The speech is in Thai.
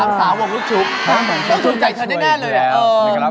สามสาววงลูกชุบ